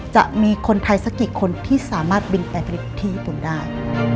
จะมีคนไทยสักกี่คนที่สามารถบินไปที่ญี่ปุ่นได้